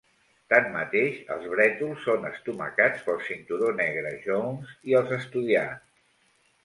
Tanmateix, els brètols són estomacats pel cinturó negre Jones i els estudiants.